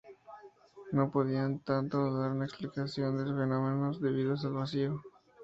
No podían por tanto dar una explicación de los fenómenos debidos al vacío.